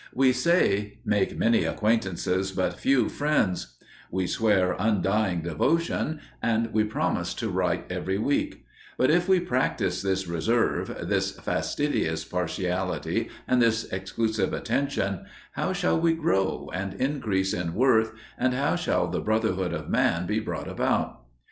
We say, "Make many acquaintances but few friends," we swear undying devotion, and we promise to write every week; but, if we practice this reserve, this fastidious partiality and this exclusive attention, how shall we grow and increase in worth, and how shall the Brotherhood of Man be brought about?